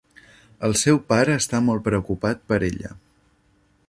El seu pare està molt preocupat per ella.